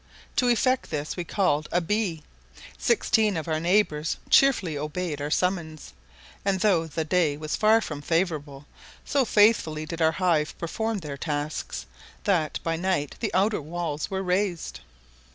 To effect this we called "a bee." Sixteen of our neighbours cheerfully obeyed our summons; and though the day was far from favourable, so faithfully did our hive perform their tasks, that by night the outer walls were raised.